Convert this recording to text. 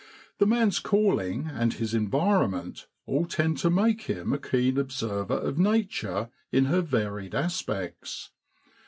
The man's calling and his environment all tend to make him a keen observer of nature in her varied aspects.